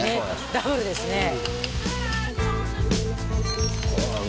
ダブルですねああ